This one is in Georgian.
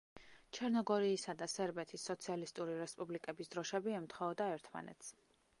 ჩერნოგორიისა და სერბეთის სოციალისტური რესპუბლიკების დროშები ემთხვეოდა ერთმანეთს.